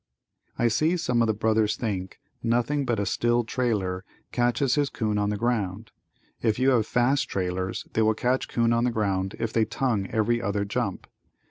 I see some of the brothers think nothing but a still trailer catches his 'coon on the ground. If you have fast trailers they will catch 'coon on the ground if they tongue every other jump.